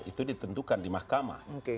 itu ditentukan di mahkamah